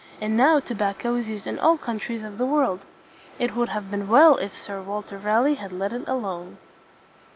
And now tobacco is used in all countries of the world. It would have been well if Sir Walter Raleigh had let it alone.